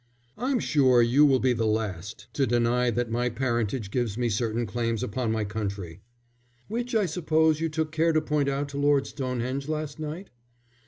I'm sure you will be the last to deny that my parentage gives me certain claims upon my country." "Which I suppose you took care to point out to Lord Stonehenge last night?"